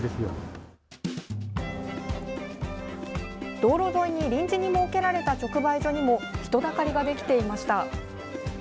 道路沿いに臨時に設けられた直売所にも人だかりができていました。